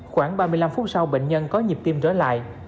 khoảng ba mươi năm phút sau bệnh nhân có nhịp tim trở lại